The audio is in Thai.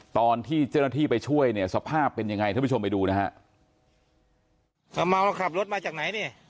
ตอนที่เจ้าหน้าที่ไปช่วยเนี่ยสภาพเป็นยังไงทุกผู้ชมไปดูนะฮะ